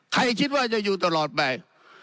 คิดว่าจะอยู่ตลอดไป